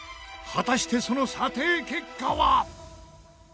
果たしてその査定結果は！？